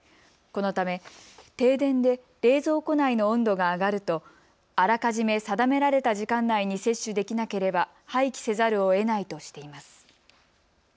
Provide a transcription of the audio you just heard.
このため停電で冷蔵庫内の温度が上がるとあらかじめ定められた時間内に接種できなければ廃棄せざるをえないとしています。